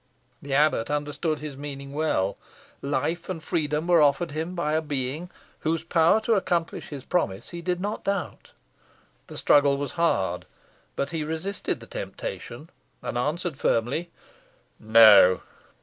The abbot understood his meaning well. Life and freedom were offered him by a being, whose power to accomplish his promise he did not doubt. The struggle was hard; but he resisted the temptation, and answered firmly, "No."